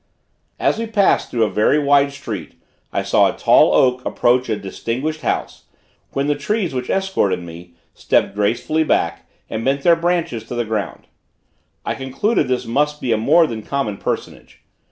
As we passed through a very wide street I saw a tall oak approach a distinguished house, when the trees which escorted me, stepped gracefully back, and bent their branches to the ground. I concluded this must be a more than common personage.